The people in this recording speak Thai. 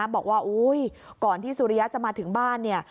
บอกว่าก่อนที่สุริยะจะมาถึงบ้านเนี่ย